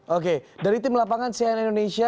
oke dari tim lapangan cnn indonesia